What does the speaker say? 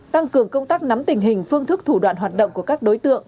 tăng cường công tác nắm tình hình phương thức thủ đoạn hoạt động của các đối tượng